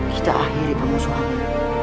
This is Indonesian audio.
kita akhiri pengusuhmu